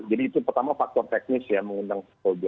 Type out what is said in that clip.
jadi itu pertama faktor teknis ya mengundang projo